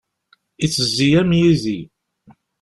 Ittezzi am yizi.